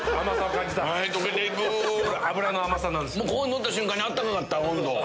ここにのった瞬間に温かかった温度。